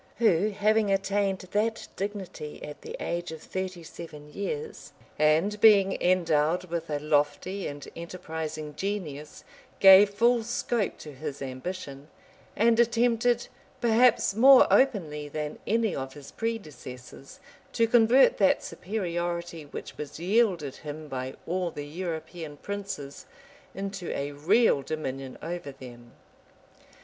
who, having attained that dignity at the age of thirty seven years, and being endowed with a lofty and enterprising genius gave full scope to his ambition, and attempted, perhaps more openly than any of his predecessors, to convert that superiority which was yielded him by all the European princes, into a real dominion over them.